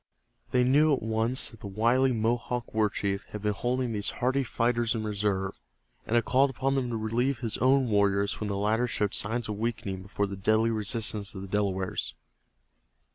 They knew at once that the wily Mohawk war chief had been holding these hardy fighters in reserve, and had called upon them to relieve his own warriors when the latter showed signs of weakening before the deadly resistance of the Delawares.